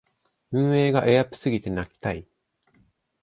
運営がエアプすぎて泣きたい